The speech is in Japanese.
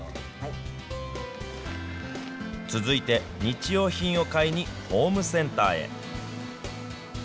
続いて、日用品を買いにホームセンターへ。